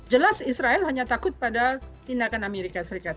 jelas israel hanya takut pada tindakan amerika serikat